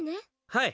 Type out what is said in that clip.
はい！